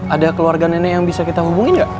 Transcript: ada keluarga nenek yang bisa kita hubungin nggak